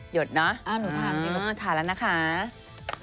หยดเนาะถ่าแล้วนะคะเอ้อหนูไทนิดนึง